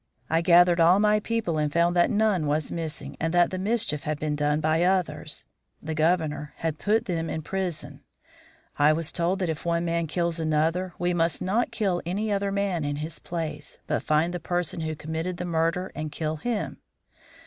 I gathered all my people and found that none was missing, and that the mischief had been done by others. The Governor had them put in prison. I was told that if one man kills another we must not kill any other man in his place, but find the person who committed the murder and kill him.